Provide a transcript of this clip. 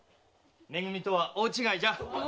め組とは大違いじゃ。